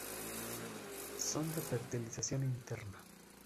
Son de fertilización interna.